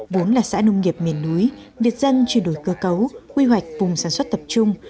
vốn là xã nông nghiệp miền núi việt dân chuyển đổi cơ cấu quy hoạch vùng sản xuất tập trung